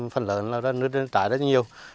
phần lớn là nứt trải rất nhiều